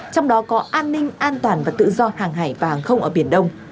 trong đó có an ninh an toàn và tự do hàng hải và hàng không ở biển đông